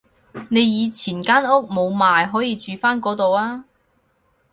你以前間屋冇賣可以住返嗰度啊